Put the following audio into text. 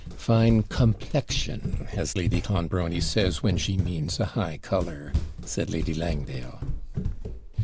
'Fine COMPLEXION! as Lady Clonbrony says, when she means a high colour,' said Lady Langdale.